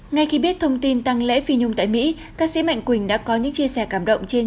ngay khi biết thông tin tăng lễ phi nhung tại mỹ ca sĩ mạnh quỳnh đã có những chia sẻ cảm động trên